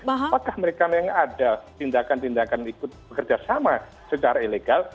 apakah mereka memang ada tindakan tindakan ikut bekerja sama secara ilegal